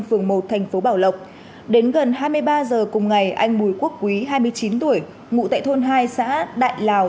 phường một thành phố bảo lộc đến gần hai mươi ba h cùng ngày anh bùi quốc quý hai mươi chín tuổi ngụ tại thôn hai xã đại lào